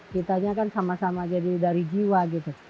kitanya kan sama sama jadi dari jiwa gitu